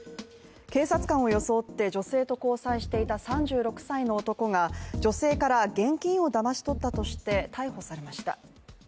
警察官を装って女性と交際していた３６歳の男が、女性から現金をだまし取ったとして逮捕されました。